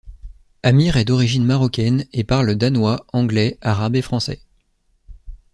Amir est d'origine Marocaine, et parle danois, anglais, arabe, et français.